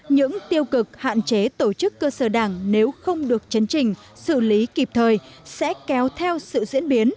những tiêu cực hạn chế tổ chức cơ sở đảng nếu không được chấn trình xử lý kịp thời sẽ kéo theo sự diễn biến